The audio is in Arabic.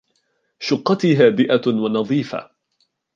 شقتي هادئة ونظيفة.